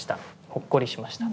ほっこりしました。